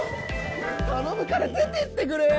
頼むから出てってくれよ！